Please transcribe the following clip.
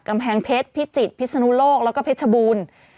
กำแพงเพชรพิจิตรพิศนุโลกแล้วก็เพชรบูรณ์